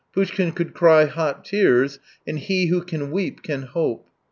Poushkin could cry hot tears, and he who can weep can hope.